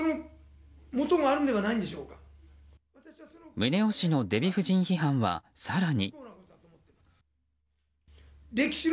宗男氏のデヴィ夫人批判は更に。